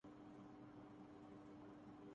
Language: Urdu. حاجی بغلول